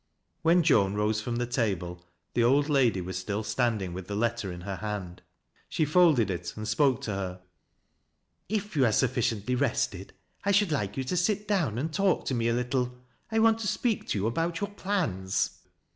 When Joan rose from the table, the old lady was still standing with the letter in her hand. She folded it and spoke to her. " If you are sufficiently rested, I should like you to sit down and talk to me a little. I want to speak to you about your plans."